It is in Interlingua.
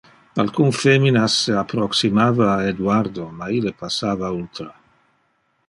Alcun feminas se approximava a Eduardo; ma ille passava ultra.